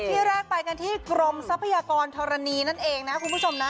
ที่แรกไปกันที่กรมทรัพยากรธรณีนั่นเองนะคุณผู้ชมนะ